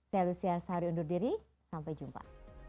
saya luzia sari undur diri sampai jumpa